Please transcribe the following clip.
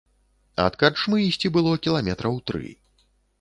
Ад карчмы ісці было кіламетраў тры.